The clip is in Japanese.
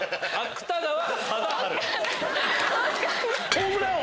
ホームラン王。